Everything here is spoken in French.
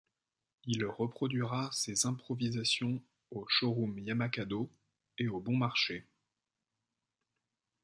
Il reproduira ses improvisations au showroom Yamakado, et au Bon Marché.